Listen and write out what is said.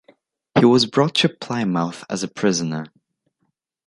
He was brought to Plymouth as a prisoner.